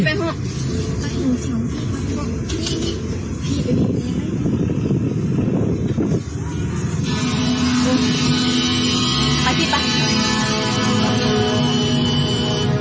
ไป